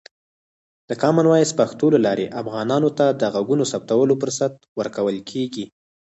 د کامن وایس پښتو له لارې، افغانانو ته د غږونو ثبتولو فرصت ورکول کېږي.